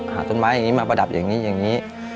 หาต้นไม้อย่างนี้มาประดับอย่างนี้